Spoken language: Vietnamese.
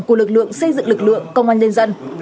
của lực lượng xây dựng lực lượng công an nhân dân